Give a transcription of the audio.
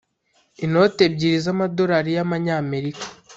inoti ebyiri z Amadolari y Abanyamerika